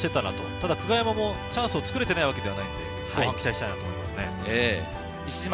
ただ久我山もチャンスを作れてないわけではないので、後半期待したいと思います。